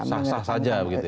sah sah saja begitu ya